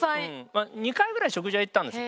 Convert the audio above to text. ２回ぐらい食事は行ったんです。